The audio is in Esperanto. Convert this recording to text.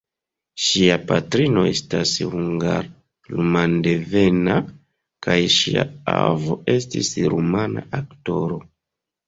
Ŝia patrino estas hungar-rumandevena kaj ŝia avo estis rumana aktoro.